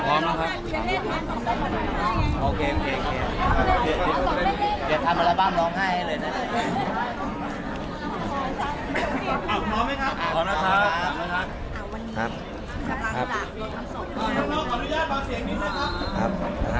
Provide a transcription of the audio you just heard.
ใครก็สวัสดีนะครับ